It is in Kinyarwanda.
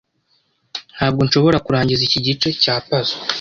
Ntabwo nshobora kurangiza iki gice cya puzzle.